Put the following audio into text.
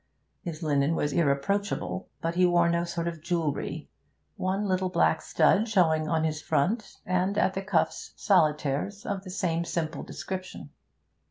His linen was irreproachable, but he wore no sort of jewellery, one little black stud showing on his front, and, at the cuffs, solitaires of the same simple description.